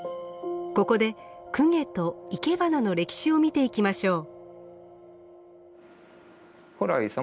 ここで供華といけばなの歴史を見ていきましょう。